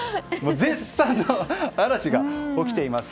絶賛の嵐が起きています。